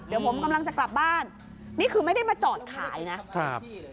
เดี๋ยวผมกำลังจะกลับบ้านนี่คือไม่ได้มาจอดขายนะครับ